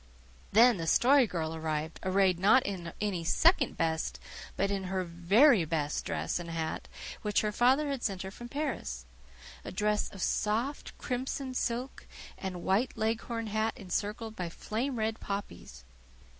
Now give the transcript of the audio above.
Then the Story Girl arrived, arrayed not in any second best but in her very best dress and hat, which her father had sent her from Paris a dress of soft, crimson silk, and a white leghorn hat encircled by flame red poppies.